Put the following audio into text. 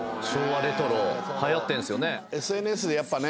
はやってんすよね。